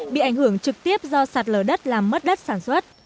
bị ảnh hưởng trực tiếp do sạt lở đất làm mất đất sản xuất